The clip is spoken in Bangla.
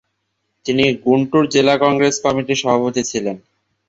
তিনি গুন্টুর জেলা কংগ্রেস কমিটির সভাপতি ছিলেন।